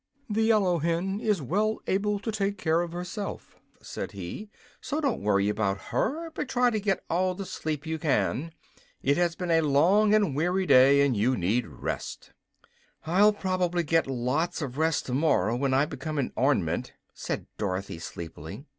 "The yellow hen is well able to take care of herself," said he; "so don't worry about her, but try to get all the sleep you can. It has been a long and weary day, and you need rest." "I'll prob'ly get lots of rest tomorrow, when I become an orn'ment," said Dorothy, sleepily.